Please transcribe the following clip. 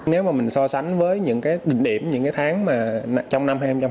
nếu mà mình so sánh với những cái đỉnh điểm những cái tháng mà trong năm hai nghìn hai mươi